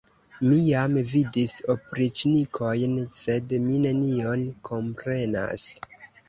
Mi jam vidis opriĉnikojn, sed mi nenion komprenas.